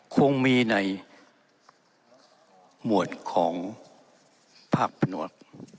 คงมีในหมวดของภาคประนวด